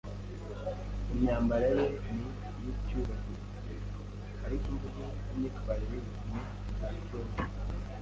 Imyambarire ye ni iy'icyubahiro, ariko imvugo n'imyitwarire ye ni ibya clown